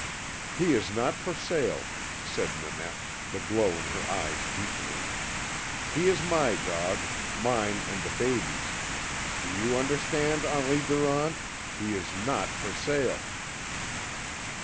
"He is not for sale," said Nanette, the glow in her eyes deepening. "He is my dog mine and the baby's. Do you understand, Henri Durant? HE IS NOT FOR SALE!"